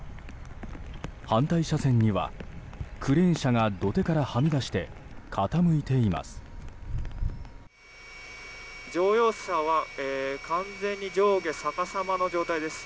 反対車線にはクレーン車が土手からはみ出して傾いています。